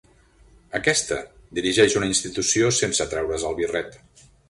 Aquesta dirigeix una institució sense treure's el birret.